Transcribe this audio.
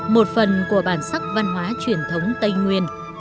một phần của bản sắc văn hóa truyền thống tây nguyên